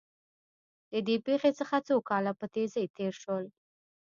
له دې پېښې څخه څو کاله په تېزۍ تېر شول